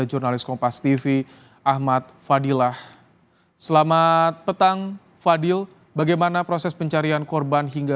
jurnalis kompas tv ahmad fadilah selamat petang fadil bagaimana proses pencarian korban hingga